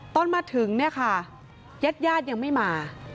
ตอนมาถึงเนี่ยค่ะแยดยังไม่มา